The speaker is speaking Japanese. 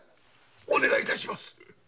お願い致します。